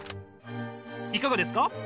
いかがですか？